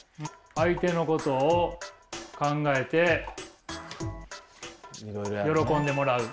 相手のことを考えて喜んでもらう。